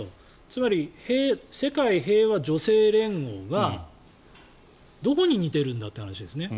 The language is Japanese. つまり、世界平和女性連合がどこに似ているんだという話ですね。